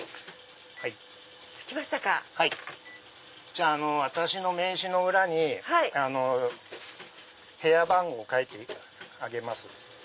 じゃあ私の名刺の裏に部屋番号書いてあげます。